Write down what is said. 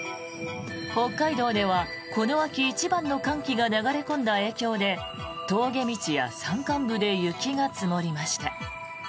北海道ではこの秋一番の寒気が流れ込んだ影響で峠道や山間部で雪が積もりました。